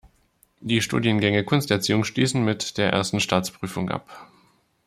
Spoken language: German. Die Studiengänge Kunsterziehung schließen mit der Ersten Staatsprüfung ab.